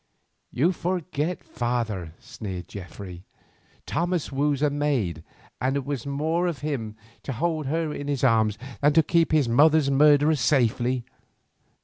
"You forget, father," sneered Geoffrey, "Thomas woos a maid, and it was more to him to hold her in his arms than to keep his mother's murderer safely.